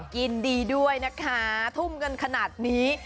ยินดีด้วยนะคะทุ่มกันขนาดนี้